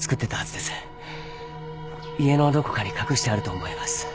家のどこかに隠してあると思います。